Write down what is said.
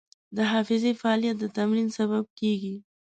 د حافظې فعالیت د تمرین سبب کېږي.